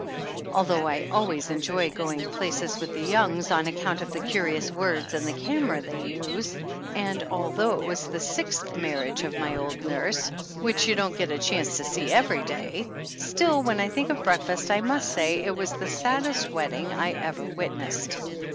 Although I always enjoy going to places with the Youngs on account of the curious 96 THE ANNALS OF ANN words and the camera they use, and although it was the sixth marriage of my old nurse, which you don't get a chance to see every day, still when I think of breakfast, I must say it was the saddest wedding I ever witnessed.